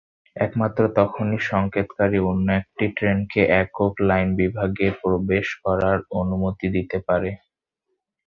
একমাত্র তখনই সংকেতকারী অন্য একটি ট্রেনকে একক লাইন বিভাগে প্রবেশ করার অনুমতি দিতে পারে।